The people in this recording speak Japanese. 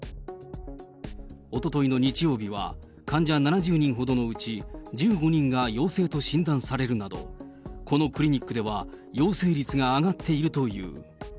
おとといの日曜日は患者７０人ほどのうち１５人が陽性と診断されるなど、このクリニックでは陽性率が上がっているという。